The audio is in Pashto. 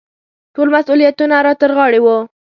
ټول مسوولیتونه را ترغاړې وو.